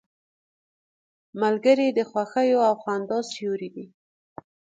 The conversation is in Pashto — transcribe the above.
ملګری د خوښیو او خندا سیوری دی